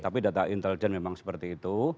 tapi data intelijen memang seperti itu